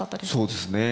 そうですね。